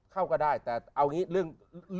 เข้าก็ได้แต่เอาอย่างนี้เรื่อง